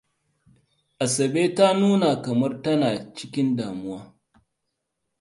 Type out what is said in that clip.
Asabe ta nuna kamar tana cikin damuwa.